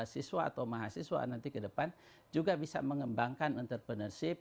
siswa atau mahasiswa nanti ke depan juga bisa mengembangkan entrepreneurship